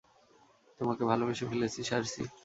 তোমাকে ভালোবেসে ফেলেছি, সার্সি।